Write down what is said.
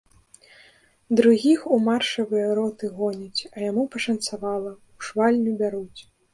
Другіх у маршавыя роты гоняць, а яму пашанцавала, у швальню бяруць.